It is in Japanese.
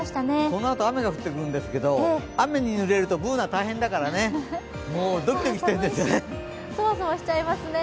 このあと、雨が降ってくるんですけれども、雨に濡れるとＢｏｏｎａ大変だからね、ドキドキしてるんですよね。